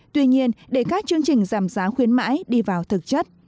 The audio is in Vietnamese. tuy nhiên để các chương trình giảm giá khuyến mãi đi vào thực chất